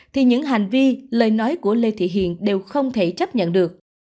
thì những hành vi lời nói của lê thị hiền đều không thể chấp nhận được